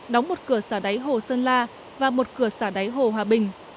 đóng một cửa xả đáy hồ sơn la và một cửa xả đáy hồ hòa bình